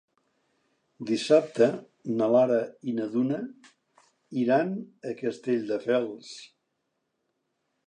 Dissabte na Lara i na Duna iran a Castelldefels.